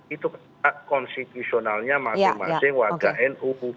itu konstitusionalnya masing masing wajah nu